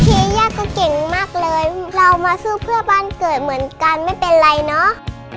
เฮย่าก็เก่งมากเลยเรามาสู้เพื่อบ้านเกิดเหมือนกันไม่เป็นไรเนอะ